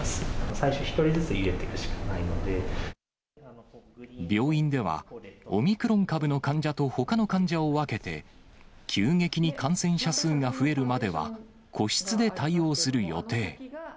最初、病院では、オミクロン株の患者とほかの患者を分けて、急激に感染者数が増えるまでは、個室で対応する予定。